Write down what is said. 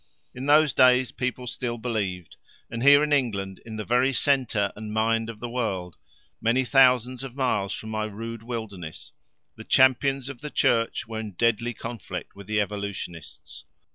In those days people still believed; and here in England, in the very centre and mind of the world, many thousands of miles from my rude wilderness, the champions of the Church were in deadly conflict with the Evolutionists.